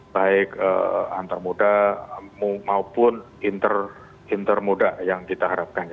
baik antar moda maupun inter moda yang kita harapkan